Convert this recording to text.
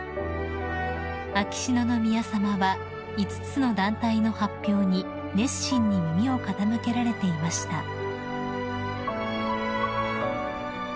［秋篠宮さまは５つの団体の発表に熱心に耳を傾けられていました］